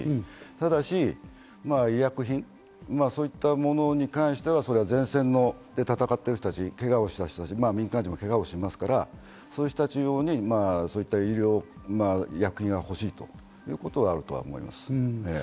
ただし医薬品などに関しては、前線で戦っている人たち、けがをした人たち、民間人もけがをしますから、そういう人たち用に医薬品が欲しいというのはあると思います。